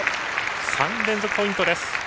３連続ポイントです。